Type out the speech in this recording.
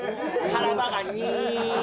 タラバガニ！